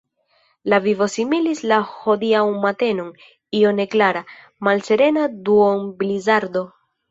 La vivo similis la hodiaŭan matenon – io neklara, malserena duonblizardo.